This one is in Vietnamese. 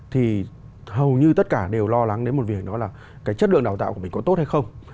thì hầu như tất cả đều lo lắng đến một việc đó là cái chất lượng đào tạo của mình có tốt hay không